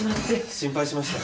心配しましたよ。